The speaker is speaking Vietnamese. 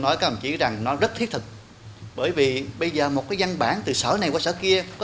nói các đồng chí rằng nó rất thiết thực bởi vì bây giờ một cái văn bản từ sở này qua sở kia có